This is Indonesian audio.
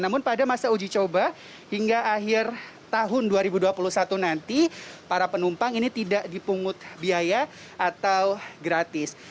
namun pada masa uji coba hingga akhir tahun dua ribu dua puluh satu nanti para penumpang ini tidak dipungut biaya atau gratis